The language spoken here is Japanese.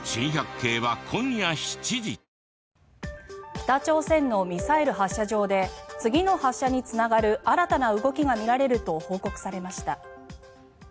北朝鮮のミサイル発射場で次の発射につながる新たな動きが見られると報告されました。